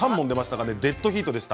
デッドヒートでした。